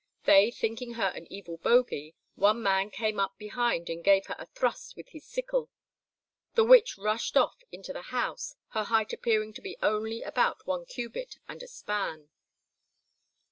They thinking her an evil bogey, one man came up behind and gave her a thrust with his sickle. The witch rushed off into the house, her height appearing to be only about one cubit and a span.